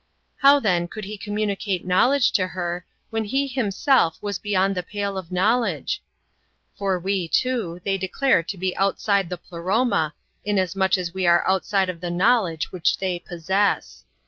How then could He communi cate knowledge to her, when He Himself was beyond the pale of knowledge ? For we, too, they declare to be outside the Pleroma, inasmuch as we are outside of the knowledore which they possess.